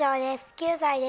９歳です。